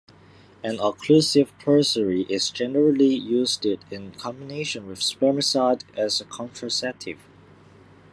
An occlusive pessary is generally used in combination with spermicide as a contraceptive.